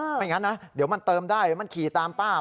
เออไม่งั้นนะเดี๋ยวมันเติมได้มันขี่ตามป้า